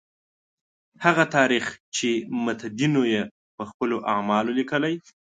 هغه تاریخ چې متدینو یې په خپلو اعمالو لیکلی.